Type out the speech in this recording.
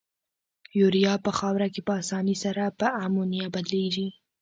یوریا په خاوره کې په اساني سره په امونیا بدلیږي.